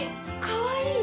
かわいい！